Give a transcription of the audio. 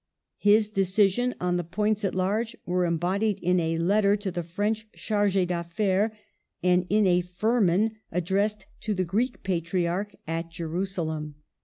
His decision on the points at issue was embodied in a letter to the French Charge d 'affairs, and in a Firman addressed to the Greek patriarch at Jerusalem.